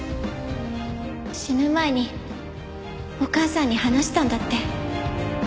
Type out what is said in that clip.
死ぬ前にお母さんに話したんだって。